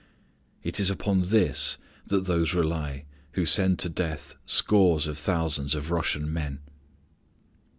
It is upon this that those rely who send to death scores of thousands of Russian men!